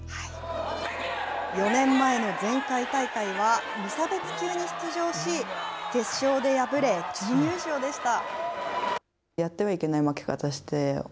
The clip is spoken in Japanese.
４年前の前回大会は無差別級に出場し、決勝で敗れ、準優勝でした。